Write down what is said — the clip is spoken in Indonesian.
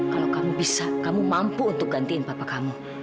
kalau kamu bisa kamu mampu untuk gantiin bapak kamu